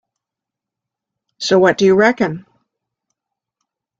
'So What Do You Reckon?